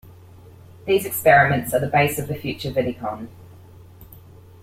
These experiments are the base of the future vidicon.